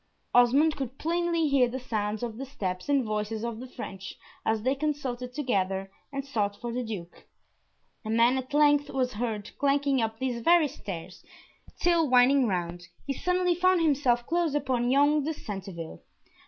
Osmond could plainly hear the sounds of the steps and voices of the French as they consulted together, and sought for the Duke. A man at length was heard clanking up these very stairs, till winding round, he suddenly found himself close upon young de Centeville.